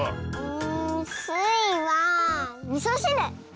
んスイはみそしる！